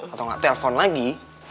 atau nggak telpon lagi